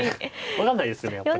分かんないですよねやっぱり。